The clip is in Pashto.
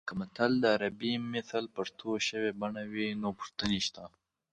که متل د عربي مثل پښتو شوې بڼه وي نو پوښتنې شته